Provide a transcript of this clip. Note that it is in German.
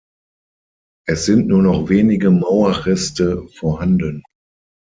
Es sind nur noch wenige Mauerreste vorhanden.